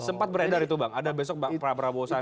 sempat beredar itu bang ada besok bang prabowo sandi